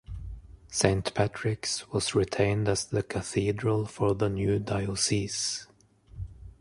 Saint Patrick's was retained as the cathedral for the new diocese.